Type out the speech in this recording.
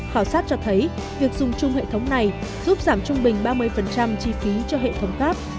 khảo sát cho thấy việc dùng chung hệ thống này giúp giảm trung bình ba mươi chi phí cho hệ thống tháp